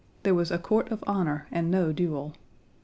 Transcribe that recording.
There was a court of honor and no duel.